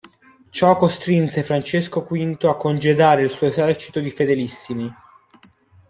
Ciò costrinse Francesco V a congedare il suo esercito di "fedelissimi".